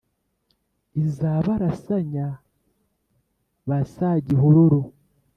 iza barasanya ba sagihororo